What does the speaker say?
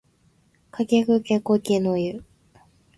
かきくけこきのゆ